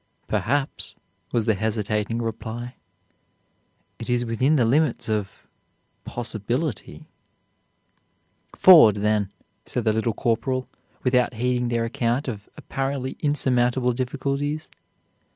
"Perhaps," was the hesitating reply, "it is within the limits of possibility." "FORWARD THEN," said the Little Corporal, without heeding their account of apparently insurmountable difficulties.